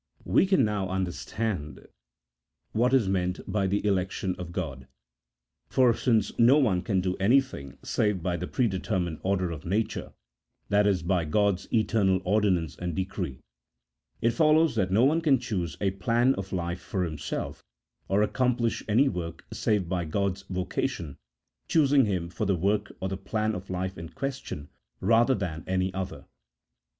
We can now easily understand what is meant by the election of God. For since no one can do anything save by the predetermined order of nature, that is by God's eternal ordinance and decree, it follows that no one can choose a plan of life for himself, or accomplish any work save by God's vocation choosing him for the work or the plan of life in question, rather than any other.